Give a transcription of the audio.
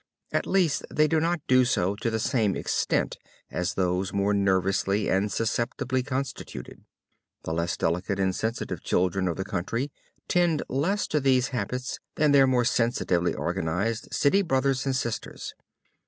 At least they do not do so to the same extent as those more nervously and susceptibly constituted. The less delicate and sensitive children of the country tend less to these habits than their more sensitively organized city brothers and sisters.